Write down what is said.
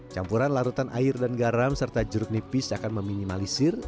campuran larutan air dan garam serta jeruk nipis akan meminimalisir